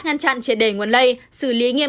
ngăn chặn triệt để nguồn lây xử lý nghiêm